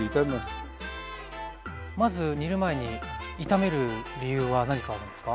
まず煮る前に炒める理由は何かあるんですか？